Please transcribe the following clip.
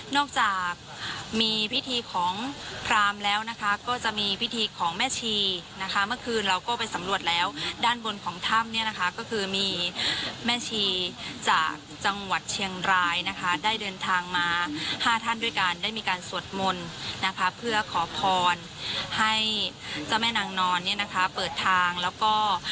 จากมีพิธีของพรามแล้วนะคะก็จะมีพิธีของแม่ชีนะคะเมื่อคืนเราก็ไปสำรวจแล้วด้านบนของถ้ำเนี่ยนะคะก็คือมีแม่ชีจากจังหวัดเชียงรายนะคะได้เดินทางมาห้าท่านด้วยกันได้มีการสวดมนต์นะคะเพื่อขอพรให้เจ้าแม่นางนอนเนี่ยนะคะเปิดทางแล้วก็